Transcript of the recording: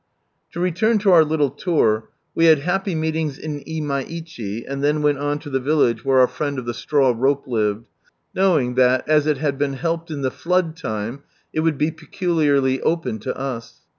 To return to our little tour, we had happy meetings in Imaichi, and ther on to the village where our friend of the Straw Rope lived, knowing that as it had been helped in thefiood time it would be peculiarly open to us.